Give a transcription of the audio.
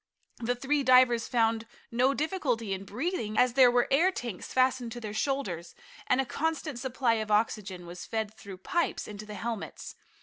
The three divers found no difficulty in breathing, as there were air tanks fastened to their shoulders, and a constant supply of oxygen was fed through pipes into the helmets.